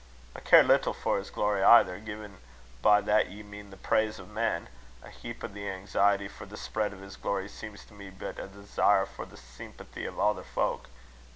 I care little for his glory either, gin by that ye mean the praise o' men. A heap o' the anxiety for the spread o' his glory, seems to me to be but a desire for the sempathy o' ither fowk.